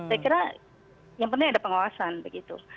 saya kira yang penting ada pengawasan begitu